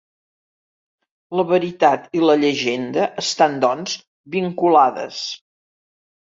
La veritat i la llegenda estan doncs vinculades.